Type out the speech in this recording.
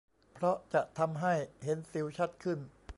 เพราะจะทำให้เห็นสิวชัดขึ้น